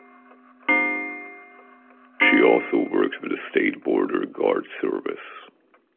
She also worked with the State Border Guard Service.